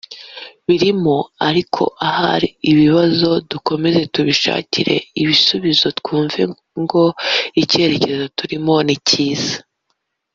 birimo ariko ahari ibibazo dukomeze tubishakire ibisubizo twumva ngo icyerekezo turimo ni cyiza